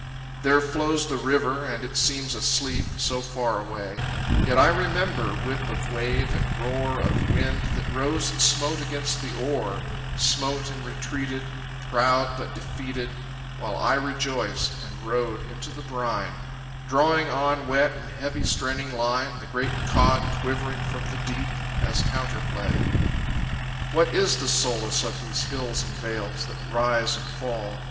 There flows the river, and it seems asleep So far away, Yet I remember whip of wave and roar Of wind that rose and smote against the oar, Smote and retreated, Proud but defeated, While I rejoiced and rowed into the brine, Drawing on wet and heavy straining line The great cod quivering from the deep As counterplay. What is the solace of these hills and vales That rise and fall?